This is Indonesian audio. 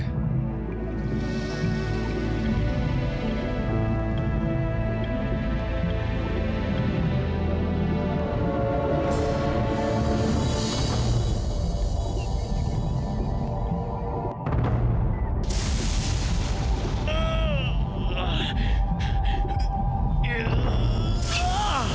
semua putra naga